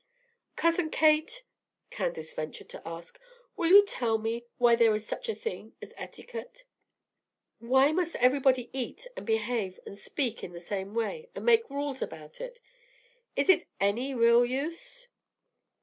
"Cousin Kate," Candace ventured to ask, "will you tell me why there is such a thing as etiquette? Why must everybody eat and behave and speak in the same way, and make rules about it? Is it any real use?"